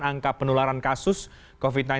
angka penularan kasus covid sembilan belas